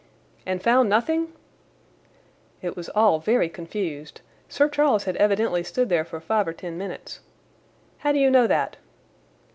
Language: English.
"And found nothing?" "It was all very confused. Sir Charles had evidently stood there for five or ten minutes." "How do you know that?"